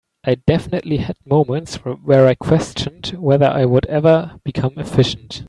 I definitely had moments where I questioned whether I would ever become efficient.